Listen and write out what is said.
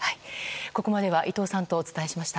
ここまでは伊藤さんとお伝えしました。